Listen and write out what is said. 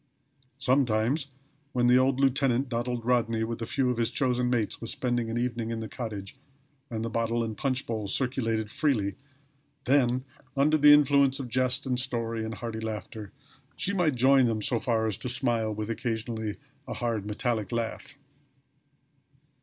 Sometimes, when the old lieutenant, Donald Rodney, with a few of his chosen mates was spending an evening in the cottage, and the bottle and punch bowl circulated freely, then, under the influence of jest and story, and hearty laughter, she might join them so far as to smile, with occasionally a hard metallic laugh.